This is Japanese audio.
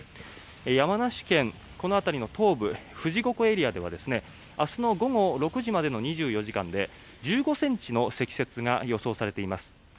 山梨県、この辺りの東部富士五湖エリアでは明日の午後６時までの２４時間で１５ｃｍの積雪が予想されています。